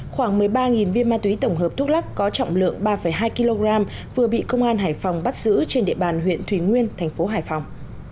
khoảng một mươi ba viên ma túy tổng hợp thuốc lắc có trọng lượng ba hai kg vừa bị công an hải phòng bắt giữ trên địa bàn huyện thủy nguyên thành phố hải phòng